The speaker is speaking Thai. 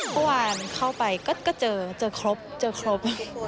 เมื่อวานเข้าไปก็เจอเจอครบเจอครบ